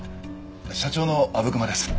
社長の阿武隈です。